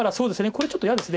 これちょっと嫌です。